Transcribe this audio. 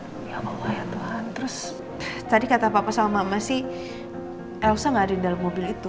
ya tuhan terus tadi kata papa sama mama sih elsa gak ada di dalam mobil itu